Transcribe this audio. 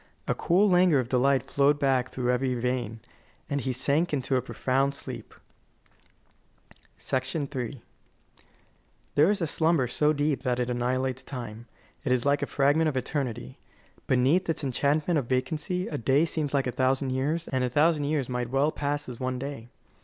A cool languor of delight flowed back through every vein, and he sank into a profound sleep. III There is a slumber so deep that it annihilates time. It is like a fragment of eternity. Beneath its enchantment of vacancy, a day seems like a thousand years, and a thousand years might well pass as one day.